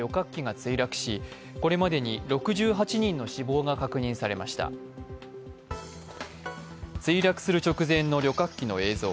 墜落する直前の旅客機の映像。